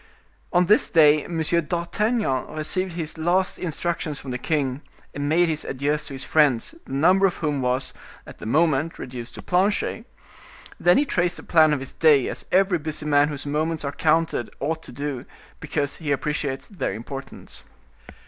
On this day M. d'Artagnan received his last instructions from the king, and made his adieus to his friends, the number of whom was, at the moment, reduced to Planchet, then he traced the plan of his day, as every busy man whose moments are counted ought to do, because he appreciates their importance.